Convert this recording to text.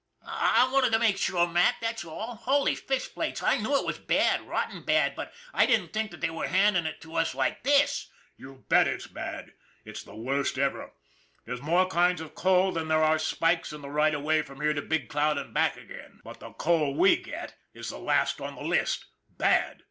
" I wanted to be sure, Mac, that's all. Holy fish plates, I knew it was bad, rotten bad, but I didn't think they were handing it to us like this." "You bet it's bad. It's the worst ever. There's more kinds of coal than there are spikes in the right of way from here to Big Cloud and back again, but 284 ON THE IRON AT BIG CLOUD the coal we get is the last on the list. Bad